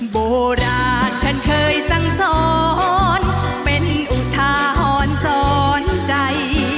โบราณท่านเคยสั่งสอนเป็นอุทาหรณ์สอนใจ